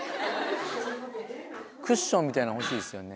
クッションみたいの欲しいですよね。